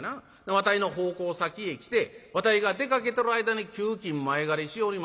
わたいの奉公先へ来てわたいが出かけとる間に給金前借りしよりまんねん。